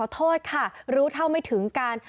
โทษค่ะรู้เท่าไม่ถึงการ